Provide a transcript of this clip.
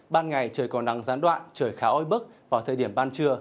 ban ngày trời còn nắng gián đoạn trời khá oi bức vào thời điểm ban trưa